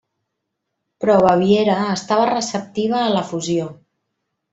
Però Baviera estava receptiva a la fusió.